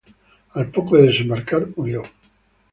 Al poco de desembarcar murió.